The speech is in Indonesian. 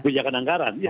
bijakan anggaran ya